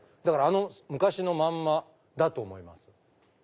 だから昔のまんまだと思います。